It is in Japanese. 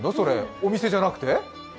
お店じゃなくて？